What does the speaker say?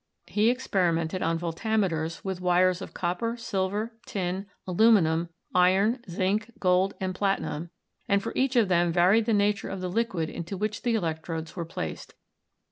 He experimented on voltameters with wires of copper, silver, tin, aluminum, iron, zinc, gold and platinum, and for each of them varied the nature of ":he liquid into which the electrodes were placed.